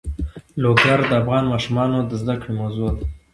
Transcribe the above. لوگر د افغان ماشومانو د زده کړې موضوع ده.